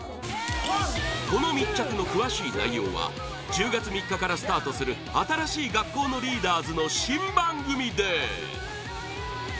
この密着の詳しい内容は１０月３日からスタートする新しい学校のリーダーズの新番組で！